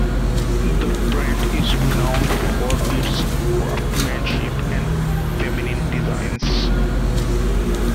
The brand is renowned for its craftsmanship and feminine designs.